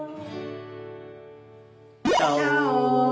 チャオ！